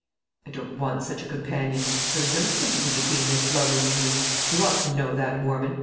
"I don't want such a companion. There is no sympathy between Miss Lovel and me; you ought to know that, Warman.